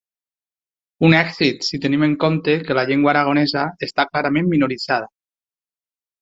Un èxit si tenim en compte que la llengua aragonesa està clarament minoritzada.